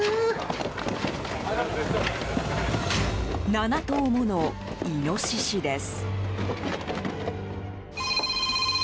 ７頭ものイノシシです。